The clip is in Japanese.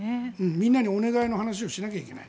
みんなにお願いの話をしなきゃいけない。